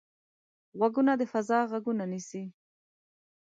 غوږونه د فضا غږونه نیسي